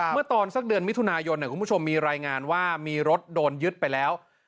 เมื่อตอนสักเดือนมิถุนายนคุณผู้ชมมีรายงานว่ามีรถโดนยึดไปแล้ว